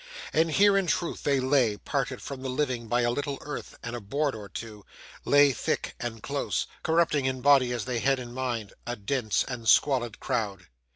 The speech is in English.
And here, in truth, they lay, parted from the living by a little earth and a board or two lay thick and close corrupting in body as they had in mind a dense and squalid crowd.